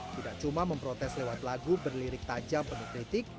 tidak cuma memprotes lewat lagu berlirik tajam penuh kritik